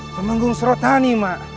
temenggung serotani mak